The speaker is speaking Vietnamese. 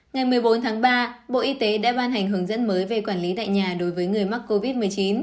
ngày một mươi bốn tháng ba bộ y tế đã ban hành hướng dẫn mới về quản lý tại nhà đối với người mắc covid một mươi chín